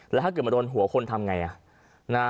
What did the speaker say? แล้วถ้าเกิดมาโดนหัวคนทำไง